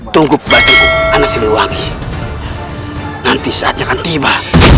tunggu berarti anak si lewati nanti saatnya akan tiba